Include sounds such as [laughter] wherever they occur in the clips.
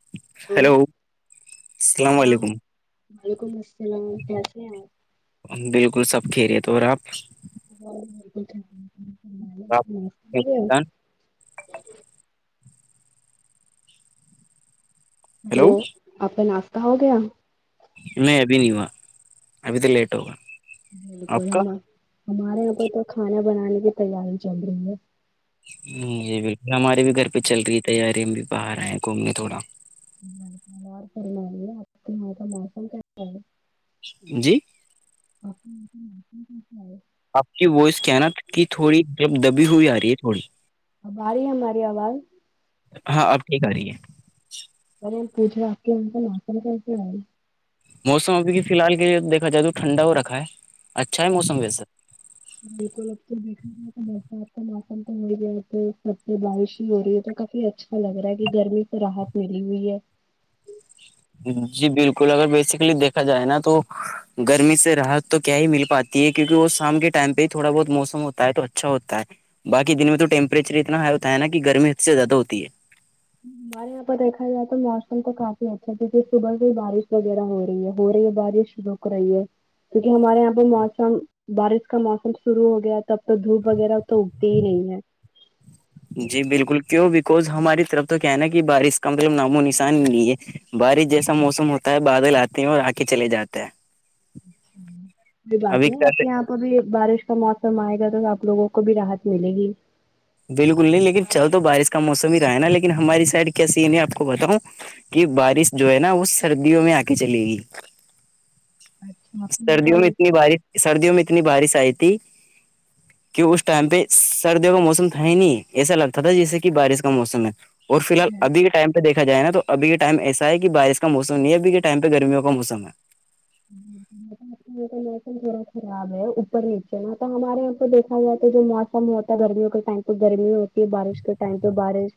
ا [inaudible] hello السلام ع علیکم وعلیکم السلام کیسے ہیں آپ [inaudible] بالکل سب کھی رہے تو اور آپ ہاں بالکلھی [inaudible] ستان ہیلو آ کا ناشتہ ہو گیا میں ابھی نہیں ہوا ابھی تو لیٹ ہوگا آپ بالکل کا ہم ہمارے یہاں پ تو کھانا بنانے کی تیاری چل رہی ہے جی بالکل ہمارے بھی گھر پہ چل رہی ہے تیاری ہم بھی باہر آئے گھومنے تھوڑا فنی ہے آپ یہاں کا موسم کیسا ہے جی ا آپ کی وائس کیا نا کہ تھوڑی دب دبی ہوئی آ رہی ہے تھوڑی آباری ہے ہماری آواز ہاں آپ ٹھیک آ رہی ہے میں نے پوچھا آپ کی ہم کا ماسر کیسے آئی موسم ابھی کہ فی الحال کے دیکھا جائے تو ٹھنڈا ہو رکھا ہے اچھا ہے موسم ویسے بالکل اب تو دیکھ کا موسم تو ہو گیا سبتے بارش ہی ہو رہی ہے تو کافی اچھا لگ رہا ہے کہ گرمی تو رحت ملی ہوئی ہے جی بالکل اگر بیسیکلی دیکھا جائے نا تو گرمی سے رحت تو کیا ہی مل پاتی ہے کیونکہ وہ شام کے ٹائم پہ ہی تھوڑا بہت موسم ہوتا ہے تو اچھا ہوتا ہے بای دن میں تو ٹیمپریچر اتنا ہائی ہوتا ہے نا کہ گرمی اس سے زیادہ ہوتی ہے ہمارے یہاں پرہیکا جائے تو موسم تو کافی اچھا ت جے صبح سے ہی بارش وغیرہ ہو رہی ہے ہو رہی ہے بارش کریے کیونکہ ہمارے یہاں پہ موسم بارش کا موسم شروع ہو گیا ہے تب تو دھوپ وغیرہ تو اگتی ہی نہیں ہے جی بالکل کیوں بکوز ہماری طرف تو کیا ہے نا کہ بارش کا مطلب نام و نشان نہیں ہے بارش جیسا موسم ہوتا ہے بادل آتے ہیں اور آ کے چلے جاتا ہے کوئی بات ابھی نہیں کیا آپ کے یہاں بھی بارش کا موسم آئے گا تو آپ لوگوں کو بھی راحت ملے گی بالکل نہیں لیکن چل تو بارش کا موسم ہی رہا ہے نا لیکن ہماری سائڈ کیا سی آپ کو بتاؤں کہ بارش جو ہے نا وہ سردیوں میں آ کے چلے گی اچھا آپ کے یہاں کا سردیوں اور میں اتنی بارش سردیوں میں اتنی بارش آئی تھی کہ اس ٹائم پہ سردیوں کا موسم ہے نہیں ایسا لگتا تھا جیسے کہ بارش کا موسم ہے اور فی الال یہاں ابھی کے ٹائم پہیکا جائے نا تو اب کے ٹائم ایسا ہے کہ بارش کا موسم نہیں ہے اب کے ٹائم پہ گرمیوں کا موسم ہے کا موسم تھاا خراب ہے اوپر نیچے نا تو ہمارے یہاں پہ دیکا جائےا تو جو موسم ہوتا ہے گرمیوں کے ٹائم پہ گرمی ہوتی ہے بارش کے ٹائم پہ بارش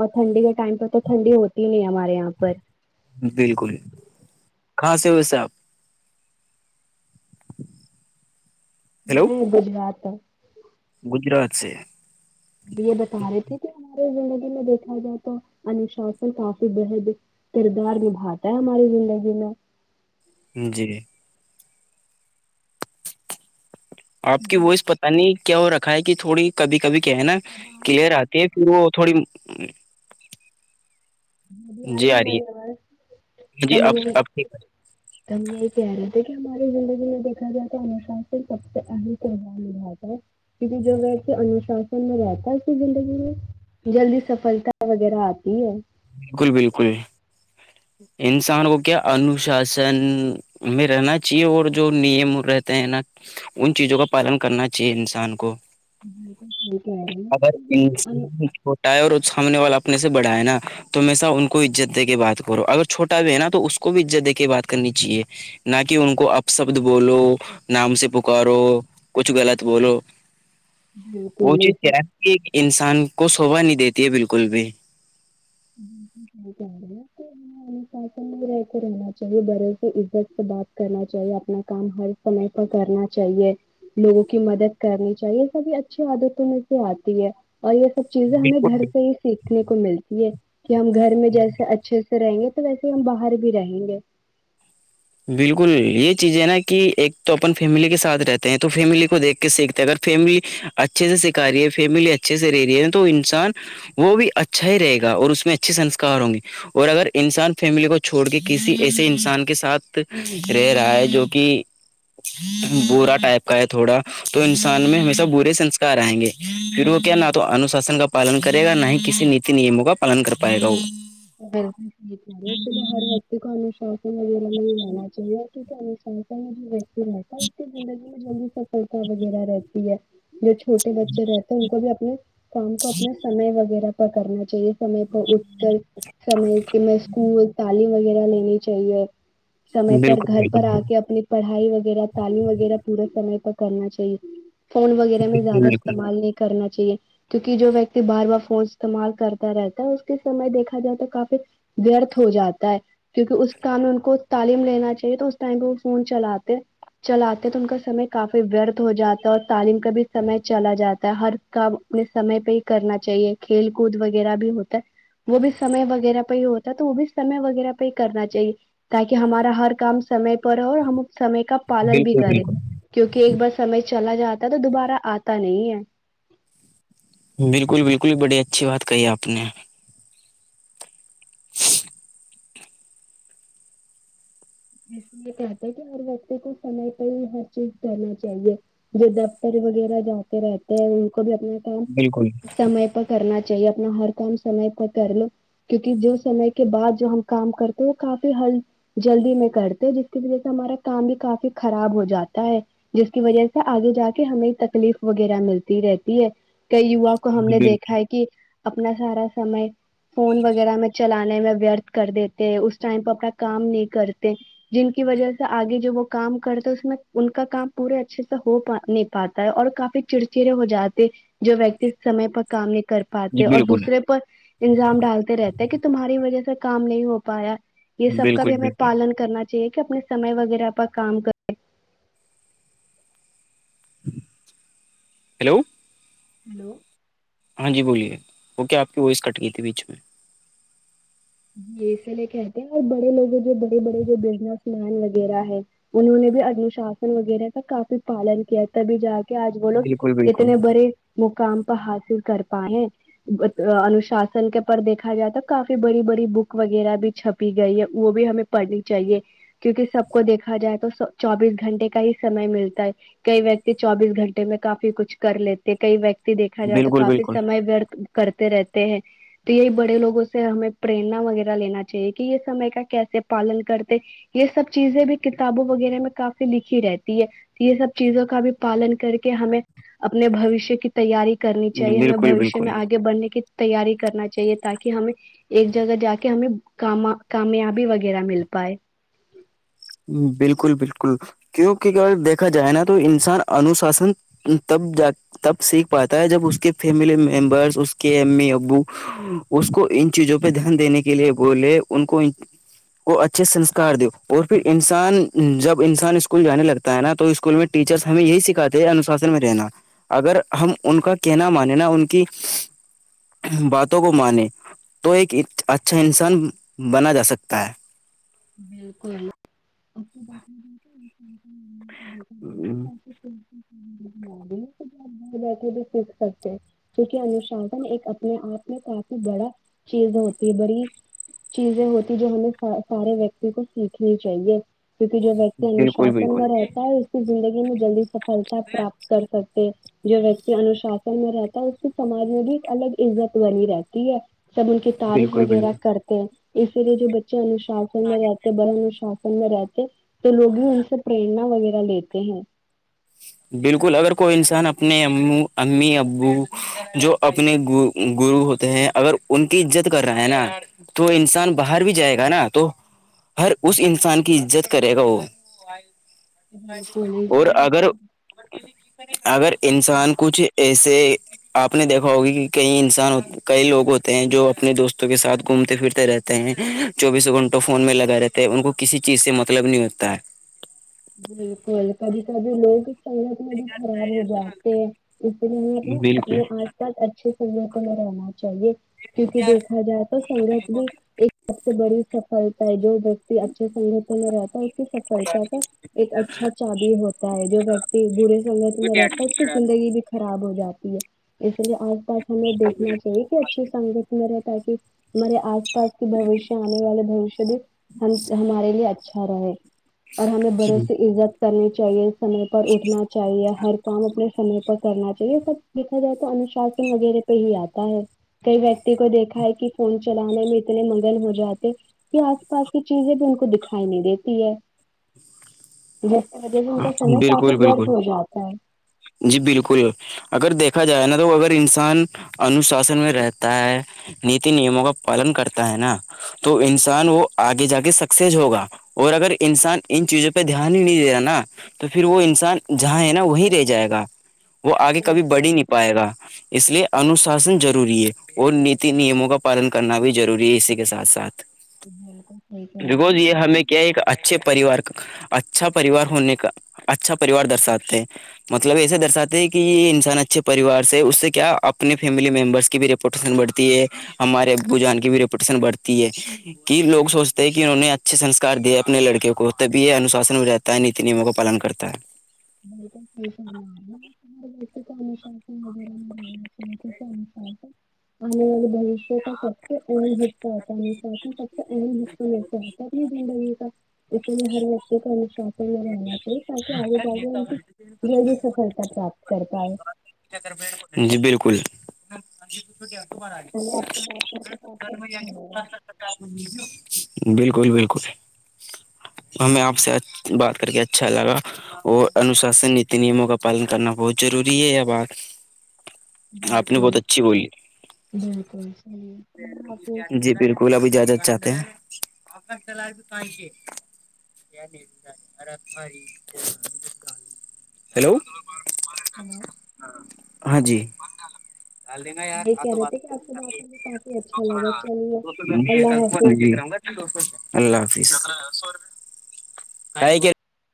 اور ٹھنڈی کے ٹائم پہ تو ٹھنڈی ہوتی ہی نہیں ہمارے یہاں پر بالکل کہاں سے ہویسے آپ [inaudible] نہیں گجرات گجرات سے یہ بتا رہے تھے کہ ہمارے زندگی میں دیکھا جائے تو انشاس کافی بحد کردار نبھاتا ہے ہماری زندگی میں جی آپ کی جی وائس پتا نہیں کیا ہو رکھا ہے کہ تھوڑی کبھی کبھی کیا ہے نا اب آ رہی کلیئر آتی ہے وہ تھوڑی ابھی آ رہی ہماری آاز ہے ک جی اب اب ٹھیک ہے۔ تو ہم یہی کہہ رہے تھے کہ ہماری زندگی میں دیکھا جائے تو انوشاس سے سب سے اہم تیوار م باتا ہے کیونکہ جو ویسے انوشاسن میں رہتا ہے اس کی زندگی میں جلدی سفلتا وغیرہ آتی ہے بالکل بالکل انسان کو کیا انوشاسن ہمیں رہنا چاہیے اور جو نیم رہتے ہیں نا ان چیزوں کا پالن کرنا چاہیے انسان کو کہ ہے گی ان چھوٹا ہے اور اس سامنے والا اپنے سے بڑھاائے نا تومیشہ ان کو عزت دے کے بات اگر چھوٹا بھی ہے نا تو اس کو بھی عزت دے کے بات کرنی چاہیے نہ کہ ان کو اپ شبد بولو نام سے پکارو کچھ غلط بولو وہ بالکل چیز اس چ انسان کو شوبا نہیں دیتی ہے بالکل بھی کہ ہے [inaudible] میں رہتے رہنا چاہیے بڑے سے عزت سے بات کرنا چاہیے اپنا کام ہر سمے پر کرنا چاہیے لوگوں کی مدد کرنی چاہیے یہ سبھی اچھی عادتوں میں سے آتی ہے اور یہ سب چیزیں ہمیں بالکل گھر سے ہی سیکھنے کو ملتی یہ کہ ہم گھر میں جیسے اچھے سے رہیں گے تو ویسے ہم باہر بھی رہیں گے بالکل یہ چیز ہے نا کہ ایک تو اپن فیملی کے ساتھ رہتے ہیں تو فیملی کو دیکھ کے سیکھ اگر فیملی اچھے سے سکھا رہی ہے فیملی اچھے سے رہ رہی ہے تو انسان وہ بھی اچھا ہی رہے گا اور اس میں اچھے سنسکار ہوں گے اور اگر انسان فیملی کو چھوڑ کے کسی ایسے انسان کے ساتھ رہ رہا ہے جو کہ برا ٹائپ کا ہے تھوڑا تو انسان میں ہمیشہ برے سنسکار آئیں گے پھر وہ کیا نہ تو انوشاسن کا پالن کرے گا نہ ہی کسی نیتی نیموں کا پالن کر پائے گا وہ اس لیے ہر ویکتی کو انوشاسن وغیرہ نہیں رہا چاہیے سم میں جو وتی ہےتا اس کی زندگ میں جی سفلتا وغیرہ رہتی ہے جو چھوٹے بچے رہتے ہیں ان کو بھی اپنے کام کو اپنا سمے وغیرہ پر کرنا چاہیے سمے پر اٹھ کر سمے میں اسکول تعلیم وغیرہ لینی چاہیے سمے پر بالکل گھر پر بالکل آ کے اپنی پڑھائی وغیرہ تعلیم وغیرہ پورے سمے پر کرنا چاہیے فون وغیرہ میں زیادہ بالکل استعمال نہیں کرنا چاہیے کیونکہ جو ویکتی بار بار فون استعمال کرتا رہتا ہے اس کے سمے دیکھا جات تو کافی ورت ہو جاتا ہے کیونکہ اس کاٹم میں ان کو تعلیم لینا چاہیے تو اس ٹائم پہ وہ فون چلاتے چلاتے ہیں تو ان کا سمے کافی ورھ ہو جاتا ہے اور تعلیم کا بھی سمے چلا جاتا ہے ہر کام اپنے سمے پہ ہی کرنا چاہیے کھیل کود وغیرہ بھی ہوتا ہے وہ بھی سمے وغیرہ پہ ہی ہوتا ہے تو وہ بھی سمے وغیرہ پہ ہی کرنا چاہیے تاکہ ہمارا ہر کام سمے پر ہو اور ہم سمے کا پالن بھی بالکل کرے بالکل کیوںکہ ایک بار سمے چلا جاتا ہے تو دوبارہ آتا نہیں ہے بالکل بالکل بڑی اچھی بات کہی آپ نے اس لیے کہتا کہ ہر ویکتی کو سمے پر ہی ہر چیز کرنا چاہیے جو دفتر وغیرہ جاتے رہتے ہیں ان کو بھی اپنا کام بالکل سمے پر کرنا چاہیے اپنا ہر کام سمے کو کر لو کیونکہ جو سمے کے بعد جو ہم کام کرتے وہ کافی ہل جلدی میں کرتے جس کی وجہ سے ہمارا کام بھی کافی خراب ہو جاتا ہے جس کی وجہ سے آگے جا کے ہمیں تکلیف وغیرہ ملتی رہتی ہے کئی یوا کو ہم جی نے بالکل دیکھا ہے کہ اپنا سارا سمے فون وغیرہ میں چلان ورت کر دیتے اس ٹائم پہ اپنا کام نہیں کرتے جن کی وجہ سے آگے جو وہ کام کرتے اس میں ان کا کام پورے اچھے سے ہو پے پاتا ہے اور کافی چڑچڑے ہو جاتے جو ویکتی سمے پر کام نہیں کر جی پاتے اور بالکل دوسرے پر الزام ڈالتے رہتے کہ تمہاری وجہ سے کام نہیں ہو پایا یہ سب کا بالکل بھی ہمیں بالکل پالن کرنا چاہیے کہ اپنے سمے وغیرہ اپ کام کر ہیلو ہیلو ہاں جی بولیے وہ کیا آپ کی وائس کٹ گئی تھی بیچ میں جی اس لیے کہتے ہیں اور بڑے لوگ جو بڑے بڑے جو بزنس مین وغیرہ ہے انہوں نے بھی انوشاسن وغیرہ کا کافی پالن کیا تھا تبھی جا کے آج وہ لوگ بالکل بالکل اتنے بڑے مقام پر حاصل کر پائے ہیں انشاسن کے پر دیکھا جائےا کافی بڑی بڑی بک وغیرہ بھی چھپی گئی ہے وہ بھی ہمیں پڑھنی چاہیے کیونکہ سب کو دیکھا جائے تو چوبیس گھنٹے کا ہی سمے ملتا ہے کئی ویکتی چوبیس گھنٹے میں کافی کچھ کر لیتے کئی ویکتی دیکا جائے تو بالکل کافی بالکل سم کرتے رہتے ہیں تو یہی بڑے لوگوں سے ہمیں پریرنا وغیرہ لینا چاہیے کہ یہ سمے کا کیسے پالن کرتے یہ سب چیزیں بھی کتابوں وغیرہ میں کافی لکھی رہتی ہے یہ سب چیزوں کا بھی پالن کر کے ہمیں اپنے بوشیہ کی تیاری کرنی چاہیے ہمیں بالکل بوشیہ میں بالکل آگے بڑھنے کی تیاری کرنا چاہیے تاکہ ہمیں ایک جگہ جا کے ہمیں کام کامیابی وغیرہ مل پائے بالکل بالکل کیوںکہ اگر دیکھا جائے نا تو انسان انوشاسن تب جات تب سیکھ پاتا ہے جب اس کے فیملی ممبرس اس کے امی ابو اس کو ان چیزوں پہ دھیان دینے کے لیے بولے ان کو ان کو اچھے سنسکار دو اور پھر انسان جب انسان اسکول جانے لگتا ہے نا تو اسکول میں ٹیچرس ہمیں یہی سکھاتے ہیں انوشاسن میں رہنا اگر ہم ان کا کہنا مان نا ان کی باتوں کو مانے تو ایک اچھا انسان بنا جا سکتا ہے کوا [unintelligible] بیٹھے بھی س سکتے کیونکہ انشاسن ایک اپنے آپ میں کافی بڑا چیز ہوتی بری چیزیں ہوتی جو ہمیں سارے ویکتی کو سیکھنی چاہیے کیونکہ جو ویکتی بالکل انوشاسن بالکل میں رہتا ہے اس کی زندگی میں جلدی سفلتا پراپت کر سکتے جو ویکتی انوشاسن میں رہتا ہے اس کی سماج میں بھی ایک الگ عزت بی رہتی ہے سب ان کی تعریف بالکل وغیرہ بالکل کرتے ہیں اسی لیے جو بچے انشاسن میں رہتے ہیں بڑا انشاسن میں رہتے تو لوگ ہی ان سے پرریرنا وغیرہ لیتے ہیں بالکل اگر کوئی انسان اپنے ا امی ابو جو اپنے گرو ہوتے ہیں اگر ان کی عزت کر رہا ہے نا تو انسان باہر بھی جائے گا نا تو ہر اس انسان کی عزت کرے گا وہ بالکل اور اس اگر اگر انسان کچھ ایسے آپ نے دیکھا ہوگی کہ کئی انسان کئی لوگ ہوتے ہیں جو اپنے دوستوں کے ساتھ گھومتے پھرتے رہتے چوبیسوں گھنٹوں فون میں لگا رہتے ہیں ان کو کسی چیز سے مطلب نہیں ہوتا ہے بالکل کبھی کبھی لوگ شت میں بھی خراب ہو جاتے اس لیے ہم ہے اپنے بالکل اپنے آس پاس اچ سنگتوں میں رہنا چاہیے کیونکہ دیکھا جائے تو سنگت بھی ایک سب سے بڑی سفلتا ہے جو وتی اچھے سنگت میں رہتا ہے اس کی سفلتا کا ایک اچھا چابی ہوتا ہے جو وکتی برے سمج میں رہتا ہے اس کی زندگی بھی خراب ہو جاتی ہے اس لیے آس پاس ہمیں دیکھنا چاہیے کہ اچھی سنگت میں رہے تاکہ ہمارے آس پاس کے بوشیہ آنے والے بوشیہ بھی ہم ہمارے لیے اچھا رہے اور ہمیں بڑوں سے عزت کرنی چاہیے سمے پر اٹھنا چاہیے ہر کام اپنے سمے پر کرنا چاہیے یہ سب دیکھا جائے تو انشاسن وغیرہ پہ ہی آتا ہے کئی ویکتی کو دیکھا ہے کہ فون چلانے میں اتنے منگل ہو جاتے یہ آس پاس کی چیزیں بھی ان کو دکھائی نہیں دیتی ہے جس کی وجہ سے ان ہاں، کا سمے کافی بالکل ورد بالکل ہو جاتا ہے جی بالکل اگر دیکھا جائے نا تو اگر انسان انوشاسن میں رہتا ہے نیتی نیموں کا پالن کرتا ہے نا تو انسان وہ آگے جا کے سکسیز ہوگا اور اگر انسان ان چیزوں پہ دھیان ہی نہیں دے رہا نا تو پھر وہ انسان جہاں ہے نا وہیں رہ جائے گا وہ آگے کبھی بڑ بالکل ہی نہیں پائے گا اس لیے انوشاسن ضروری ہے اور نیتی نیموں کا پالن کرنا بھی ضروری ہے اسی کے ساتھ ساتھ بالکل صحیح کہہ رہی بیکوز ہو یہ ہمیں کیا ایک اچھے پریوار اچھا پریوار ہونے اچھا پریوار درشاتے ہیں مطلب ایسے درشاتے ہیں کہ یہ انسان اچھے پریوار سے اس سے کیا اپنے فیملی ممبرس کی ریوٹین بڑھتی ہے ہمارے بجان کی بھی ریپوٹیشن بڑھتی ہے کہ لوگ سوچتے ہیں کہ انہوں نے اچھے سسکار دیے اپنے لڑکے کو تبھی یہ انوشاسن میں رہتا ہے ن نیموں کا پالن کرتا ہے [inaudible] چاہیے آنے والے بشیہ کا سبتا سب تو ای مشکل ہے کہنی زندگی کا ات بھی ہر ایک انشاپ میں رہنا چاہے تاک کہ آ جلی سفلتا پراپت کرتا ہے جی بالکل چلیے آپ سے بات کر کے کافی اچھا لگا [unintelligible] بالکل بالکل ہمیں آپ سے بات کر کے اچھا لگا اور انوشاسن نی نیموں کا پالن کرنا بہت ضروری ہے ا بالکل بالکل صحیح ہے جی بالکل اب اجازت چاہتے ہیں ہلو ہیلو ہاں جی ڈال دین گ یار وہی آ کہہ تو رہے بعد تھے کہ آپ سے بات کر کے کافی اچھا لگا چلیے [inaudible] اللہ حافظ اللہ حافظ